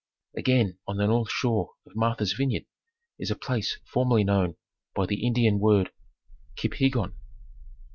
Again on the north shore of Martha's Vineyard is a place for merly known by the Indian word Kiphiggon.